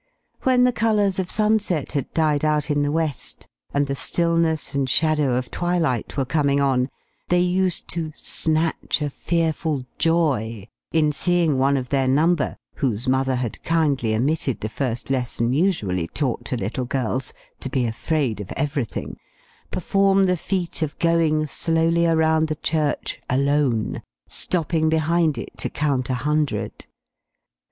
When the colors of sunset had died out in the west, and the stillness and shadow of twilight were coming on, they used to "snatch a fearful joy" in seeing one of their number (whose mother had kindly omitted the first lesson usually taught to little girls, to be afraid of every thing) perform the feat of going slowly around the church, alone, stopping behind it to count a hundred.